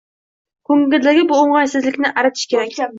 Ko’nglidagi bu o’ng’aysizlikni aritish kerak.